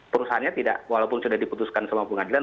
perusahaannya tidak walaupun sudah diputuskan sama pengadilan